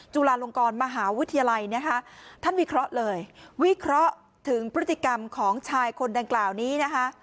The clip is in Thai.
จุฬาลงกรมหาวิทยาลัยนะคะท่านวิเคราะห์เลยวิเคราะห์ถึงพฤติกรรมของชายคนดังกล่าวนี้นะคะ